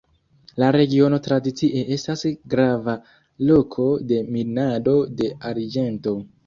La regiono tradicie estas grava loko de minado de arĝento.